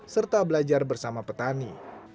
serta belajar bersama petani